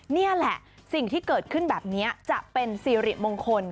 นี่แหละสิ่งที่เกิดขึ้นแบบนี้จะเป็นสิริมงคล